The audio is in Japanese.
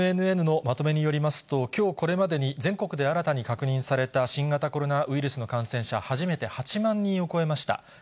ＮＮＮのまとめによりますと、きょうこれまでに全国で新たに確認された新型コロナウイルスの感染者、初めて８万人を超えました。